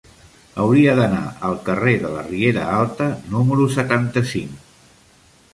Hauria d'anar al carrer de la Riera Alta número setanta-cinc.